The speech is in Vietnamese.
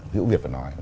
hữu việt phải nói